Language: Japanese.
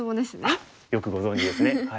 あっよくご存じですね。